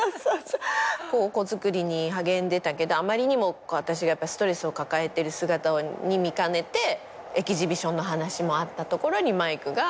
子づくりに励んでたけどあまりにも私がストレスを抱えてる姿見かねてエキジビションの話もあったところにマイクが。